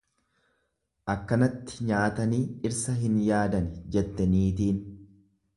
Akkanatti nyaatanii dhirsa hin yaadani jette niitiin.